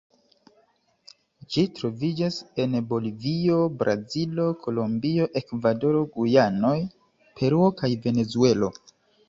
Ĝi troviĝas en Bolivio, Brazilo, Kolombio, Ekvadoro, Gujanoj, Peruo kaj Venezuelo.